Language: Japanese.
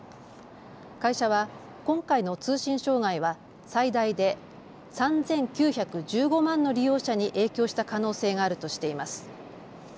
会社は今回の通信障害は最大で３９１５万の利用者に影響した可能性があるとしています。